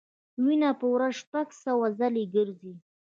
وینه په ورځ شپږ سوه ځلې ګرځي.